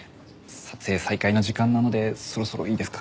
撮影再開の時間なのでそろそろいいですか？